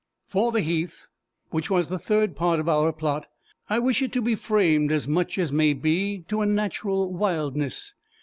"For the heath, which was the third part of our plot, I wish it to be framed, as much as may be, to a natural wildness.